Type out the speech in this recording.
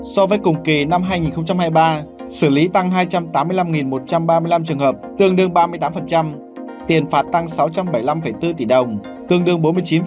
so với cùng kỳ năm hai nghìn hai mươi ba xử lý tăng hai trăm tám mươi năm một trăm ba mươi năm trường hợp tương đương ba mươi tám tiền phạt tăng sáu trăm bảy mươi năm bốn tỷ đồng tương đương bốn mươi chín